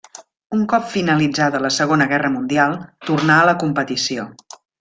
Un cop finalitzada la Segona Guerra Mundial, tornà a la competició.